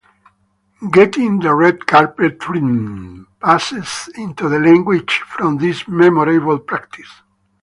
"Getting the red carpet treatment" passed into the language from this memorable practice.